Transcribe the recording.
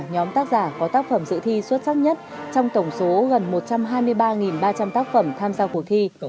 nhóm tác giả có tác phẩm dự thi xuất sắc nhất trong tổng số gần một trăm hai mươi ba ba trăm linh tác phẩm tham gia cuộc thi